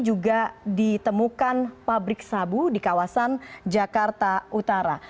juga ditemukan pabrik sabu di kawasan jakarta utara